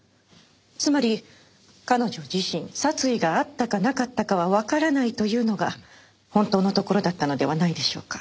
つまり彼女自身殺意があったかなかったかはわからないというのが本当のところだったのではないでしょうか？